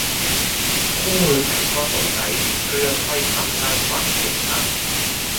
คู่มือไขข้อสงสัยเรื่อง ถ้อยคำสร้างความเกลียดชัง